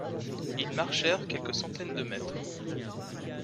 Ils marchèrent quelques centaines de mètres